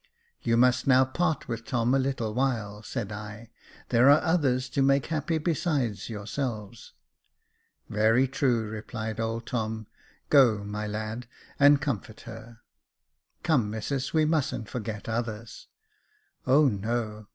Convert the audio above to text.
*' You must now part with Tom a little while," said I ;" there are others to make happy besides yourselves." " Very true," replied old Tom j " go, my lad, and comfort her. Come, missus, we mustn't forget others." *' Oh, no.